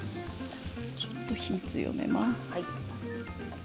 ちょっと火を強めます。